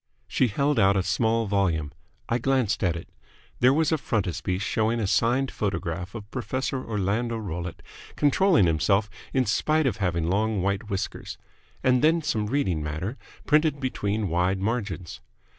She held out a small volume. I glanced at it. There was a frontispiece showing a signed photograph of Professor Orlando Rollitt controlling himself in spite of having long white whiskers, and then some reading matter, printed between wide margins.